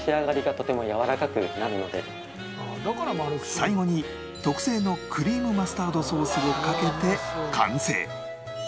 最後に特製のクリームマスタードソースをかけて完成